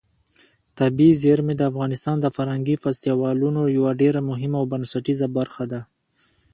طبیعي زیرمې د افغانستان د فرهنګي فستیوالونو یوه ډېره مهمه او بنسټیزه برخه ده.